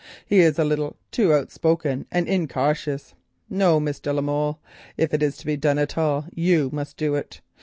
He is a little too outspoken and incautious. No, Miss de la Molle, if it is to be done at all you must do it.